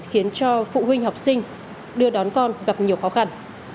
khiến cho phụ huynh học sinh đưa đón con gặp nhiều khó khăn